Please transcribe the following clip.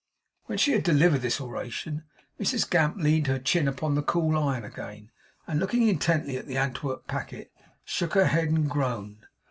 When she had delivered this oration, Mrs Gamp leaned her chin upon the cool iron again; and looking intently at the Antwerp packet, shook her head and groaned.